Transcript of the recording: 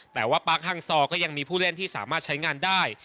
แต่ว่าปาร์คฮังซอร์ก็ยังมีผู้เล่นที่สามารถใช้งานได้